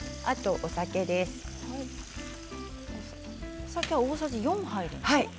お酒は大さじ４入るんですね。